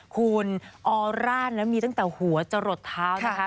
คุณออร่านมีตั้งแต่หัวจะหลดเท้านะคะ